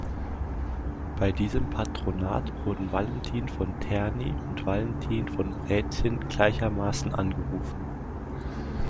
Bei diesem Patronat wurden Valentin von Terni und Valentin von Rätien gleichermaßen angerufen.